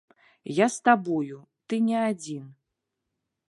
Я з табою, ты не адзін.